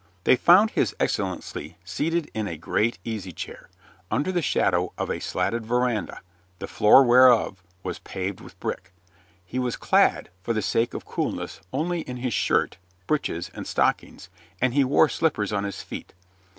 They found His Excellency seated in a great easy chair, under the shadow of a slatted veranda, the floor whereof was paved with brick. He was clad, for the sake of coolness, only in his shirt, breeches, and stockings, and he wore slippers on his feet.